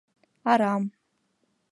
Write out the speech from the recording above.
Арам.